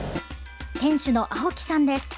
店主の青木さんです。